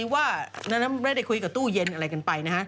ว่านั้นไม่ได้คุยกับตู้เย็นอะไรกันไปนะฮะ